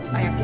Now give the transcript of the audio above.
nah yuk ya